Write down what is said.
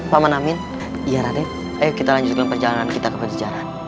pertandingan berlangsung tiga jurus